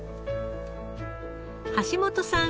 橋本さん